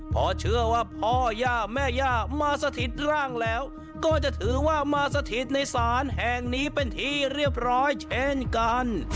พอเชื่อว่าพ่อย่าแม่ย่ามาสถิตร่างแล้วก็จะถือว่ามาสถิตในศาลแห่งนี้เป็นที่เรียบร้อยเช่นกัน